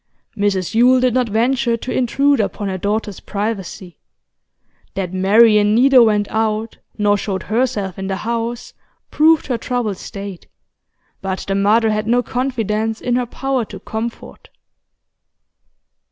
Mrs Yule did not venture to intrude upon her daughter's privacy. That Marian neither went out nor showed herself in the house proved her troubled state, but the mother had no confidence in her power to comfort.